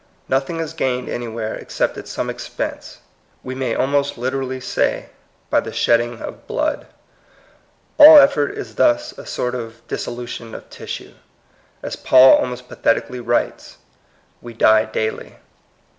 Nothing is gained anywhere except at some expense, we may almost literally say, by the shedding of blood. All effort is thus a sort of disso lution of tissue. As Paul almost pathet ically writes, "We die daily."